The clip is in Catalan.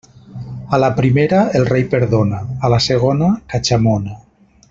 A la primera, el rei perdona; a la segona, catxamona.